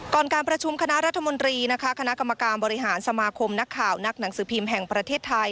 การประชุมคณะรัฐมนตรีนะคะคณะกรรมการบริหารสมาคมนักข่าวนักหนังสือพิมพ์แห่งประเทศไทย